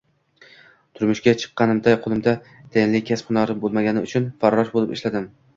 Turmushga chiqqanimda qo`limda tayinli kasb-hunarim bo`lmagani uchun farrosh bo`lib ishladim